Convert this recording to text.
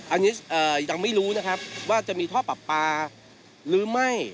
อันนี้ยังไม่รู้นะครับว่าจะมีท่อปรับปลาหรือไม่